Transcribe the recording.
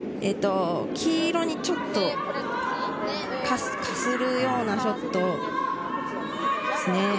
赤の内側に当てて黄色にちょっとかするようなショット。